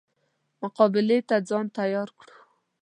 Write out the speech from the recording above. مقابلې ته ځان تیار کړو.